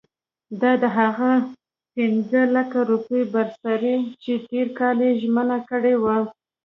دا د هغه پنځه لکه روپیو برسېره چې تېر کال یې ژمنه کړې وه.